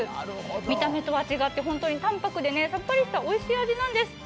見た目とは違って本当にたんぱくでさっぱりしたおいしい味なんです。